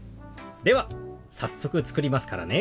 では早速作りますからね。